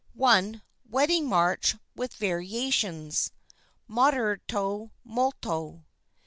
WEDDING MARCH, WITH VARIATIONS (Moderato molto) 2.